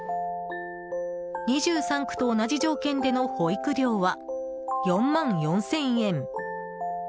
２３区と同じ条件での保育料は４万４０００円。